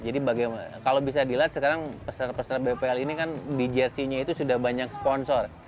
jadi kalau bisa dilihat sekarang peserta peserta bpl ini kan bijersinya itu sudah banyak sponsor